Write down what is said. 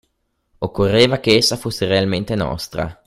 Occorreva che essa fosse realmente nostra!